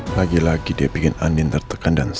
lagi lagi dia bikin andien tertekan dan stres